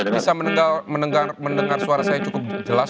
bisa mendengar suara saya cukup jelas